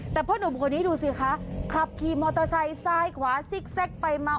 แต่พ่อหนุ่มคนนี้ดูสิคะขับขี่มอเตอร์ไซค์ซ้ายขวาซิกเซ็กไปมา